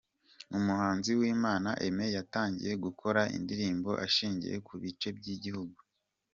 Umuhanzi Uwimana Aime yatangiye gukora indirimbo ashingiye ku bice by’igihugu